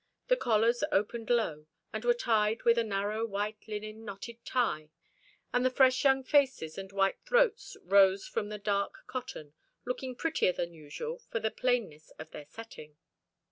The collars opened low, and were tied with a narrow white linen knotted tie, and the fresh young faces and white throats rose from the dark cotton, looking prettier than usual for the plainness of their setting.